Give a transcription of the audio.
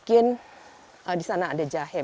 tanaman yang digunakan adalah perut